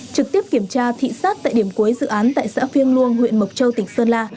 trực tiếp kiểm tra thị sát tại điểm cuối dự án tại xã phiêng luông huyện mộc châu tỉnh sơn la